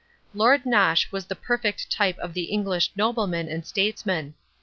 Lord Nosh was the perfect type of the English nobleman and statesman.